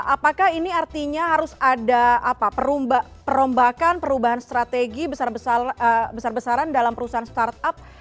apakah ini artinya harus ada perombakan perubahan strategi besar besaran dalam perusahaan startup